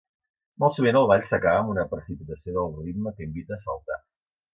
Molt sovint el ball s'acaba amb una precipitació del ritme que invita a saltar.